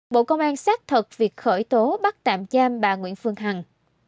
bộ công an xác thật việc khởi tố bắt tạm giam bà nguyễn phương hằng